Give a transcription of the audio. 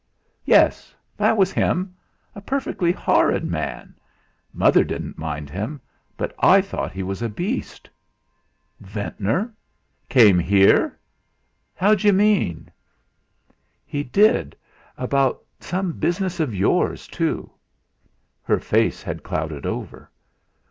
"Yes that was him; a perfectly horrid man. Mother didn't mind him, but I thought he was a beast." "Ventnor! Came here? How d'you mean?" "He did; about some business of yours, too." Her face had clouded over.